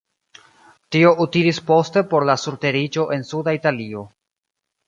Tio utilis poste por la surteriĝo en suda Italio.